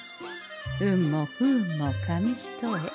運も不運も紙一重。